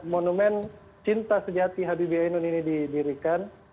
monumen cinta sejati habibie ainun ini didirikan